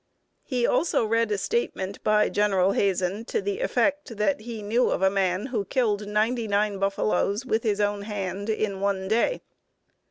He also read a statement by General Hazen to the effect that he knew of a man who killed ninety nine buffaloes with his own hand in one day.